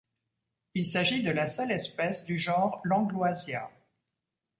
Il s'agit de la seule espèce du genre Langloisia.